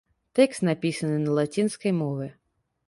Тэкст напісаны на лацінскай мове.